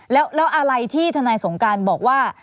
แล้วอะไรที่ทนายสงการบอกว่า